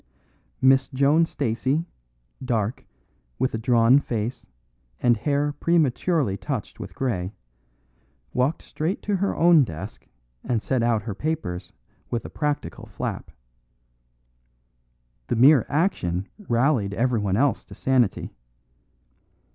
Miss Joan Stacey, dark, with a drawn face and hair prematurely touched with grey, walked straight to her own desk and set out her papers with a practical flap. The mere action rallied everyone else to sanity.